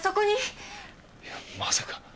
いやまさか。